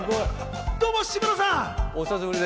どうも、志村さん！